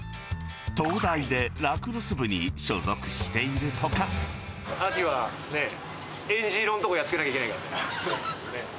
東大でラクロス部に所属して秋はね、えんじ色のところやっつけないといけないからね。